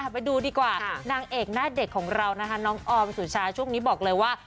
ไปดูดีกว่านางเอกหน้าเด็กของเรานะคะน้องออมสุชาช่วงนี้บอกเลยว่า